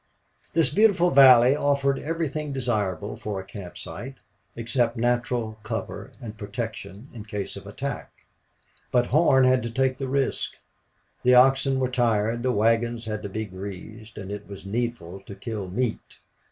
This beautiful valley offered everything desirable for a camp site except natural cover or protection in case of attack. But Horn had to take the risk. The oxen were tired, the wagons had to be greased, and it was needful to kill meat.